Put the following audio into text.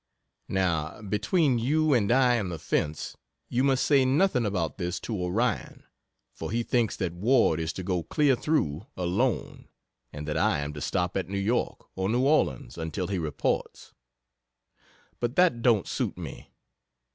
Now, between you and I and the fence you must say nothing about this to Orion, for he thinks that Ward is to go clear through alone, and that I am to stop at New York or New Orleans until he reports. But that don't suit me.